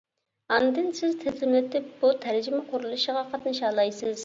ئاندىن سىز تىزىملىتىپ بۇ تەرجىمە قۇرۇلۇشىغا قاتنىشالايسىز.